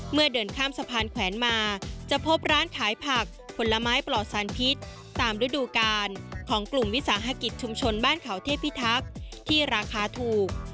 เดินข้ามสะพานแขวนมาจะพบร้านขายผักผลไม้ปลอดสารพิษตามฤดูกาลของกลุ่มวิสาหกิจชุมชนบ้านเขาเทพิทักษ์ที่ราคาถูก